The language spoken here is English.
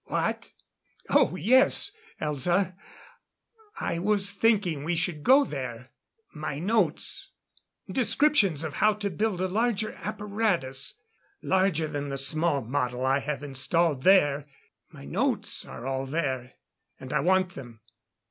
"What? Oh, yes, Elza. I was thinking we should go there. My notes descriptions of how to build a larger apparatus larger than the small model I have installed there my notes are all there, and I want them.